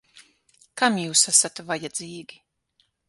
Kam jūs esat vajadzīgi?